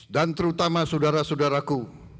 dan terutama saudara saudaraku